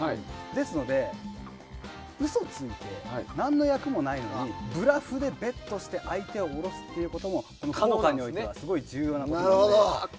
ですので、嘘ついて何の役もないのにブラフでベットして相手を下ろすということもポーカーにおいてはすごい重要なことです。